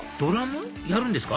やるんですか？